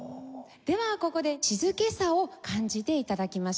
ではここで静けさを感じて頂きましょう。